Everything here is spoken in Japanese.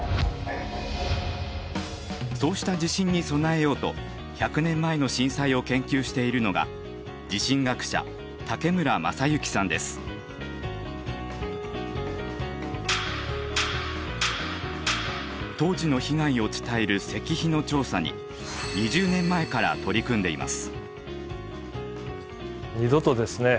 そうした地震に備えようと１００年前の震災を研究しているのが当時の被害を伝える石碑の調査に２０年前から取り組んでいます。